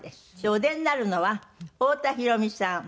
お出になるのは太田裕美さん